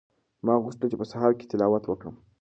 ما غوښتل چې په سهار کې تلاوت وکړم.